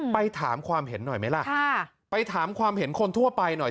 ไปถามความเห็นหน่อยไหมล่ะไปถามความเห็นคนทั่วไปหน่อย